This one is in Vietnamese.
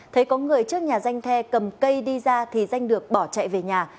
thấy có người trước nhà danh the cầm cây đi ra thì danh được bỏ chạy về nhà